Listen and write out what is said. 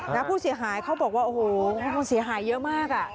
แล้วผู้เสียหายเขาบอกว่าโอ้โหมันเสียหายเยอะมากอ่ะ